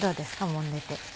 もんでて。